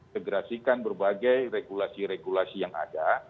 segerasikan berbagai regulasi regulasi yang ada